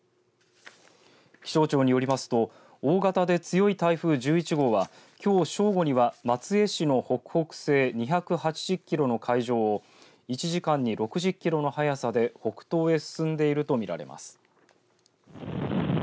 気象庁によりますと大型で強い台風１１号はきょう正午には松江市の北北西２８０キロの海上を１時間に６０キロの速さで北東へ進んでいると見られます。